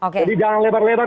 jadi jangan lebar lebar